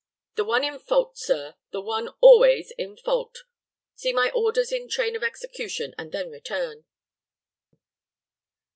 "The one in fault, sir the one always in fault. See my orders in train of execution, and then return."